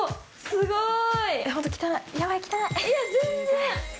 すごい！